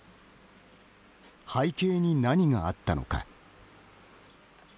背景に何があったのか。